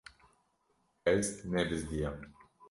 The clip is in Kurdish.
Ez nebizdiyam.